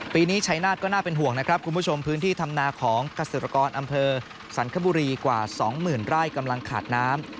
ปีนี้ชัยนาธก็น่าเป็นห่วงนะครับคุณผู้ชมพื้นที่ธรรมนาของเกษตรกรอำเภอสรรคบุรีกว่า๒๐๐๐ไร่กำลังขาดน้ำ